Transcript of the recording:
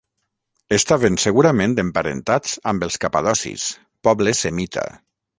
Estaven segurament emparentats amb els capadocis, poble semita.